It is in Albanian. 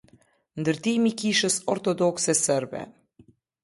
Ndërtimi i kishës ortodokse serbe.